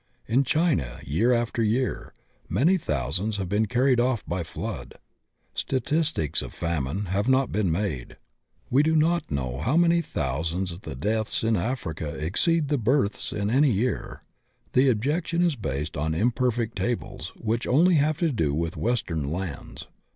In China year after year many thousands have been carried off by flood. Statistics of famine have not been made. We do not know by how many thousands the deaths in Africa exceed the births in any year. The objection is based on imperfect tables which only have to do with western lands.